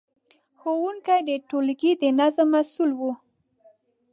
ښوونکي د ټولګي د نظم مسؤل وو.